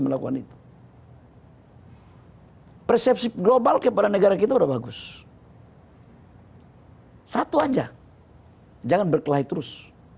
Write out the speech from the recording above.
melakukan itu persepsi global kepada negara kita udah bagus hai satu aja jangan berkelahi terus